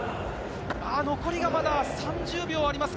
残りがまだ３０秒あります。